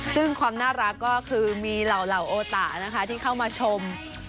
ซึ่งความน่ารักก็คือมีเหล่าโอตะนะคะที่เข้ามาชม